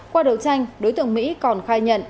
qua đầu tranh đối tượng mỹ còn khai nhận